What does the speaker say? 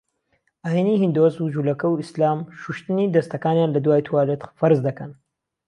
ئاینی هیندۆس و جولەکە و ئیسلام شوشتنی دەستەکانیان لە دوای توالێت فەرزدەکەن.